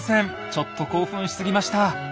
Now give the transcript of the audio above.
ちょっと興奮しすぎました。